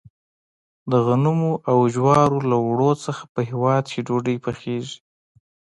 د غنمو او جوارو له اوړو څخه په هیواد کې ډوډۍ پخیږي.